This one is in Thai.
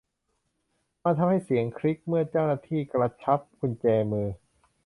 มันทำให้เสียงคลิกเมื่อเจ้าหน้าที่กระชับกุญแจมือ